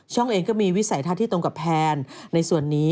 เองก็มีวิสัยทัศน์ที่ตรงกับแพนในส่วนนี้